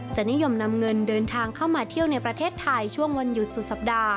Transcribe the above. นิยมนำเงินเดินทางเข้ามาเที่ยวในประเทศไทยช่วงวันหยุดสุดสัปดาห